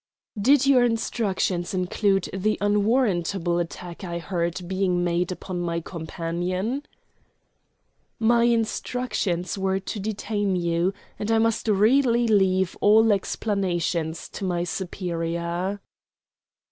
"Did your instructions include the unwarrantable attack I heard being made upon my companion?" "My instructions were to detain you, and I must really leave all explanations to my superior."